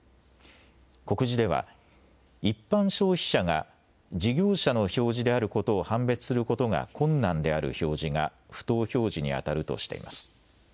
告示では一般消費者が事業者の表示であることを判別することが困難である表示が不当表示にあたるとしています。